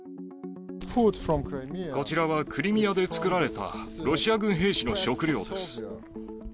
こちらはクリミアで作られた、ロシア軍兵士の食料です。